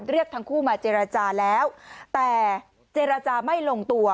เรียกทั้งคู่มาเจรจาแล้วแต่เจรจาไม่ลงตัว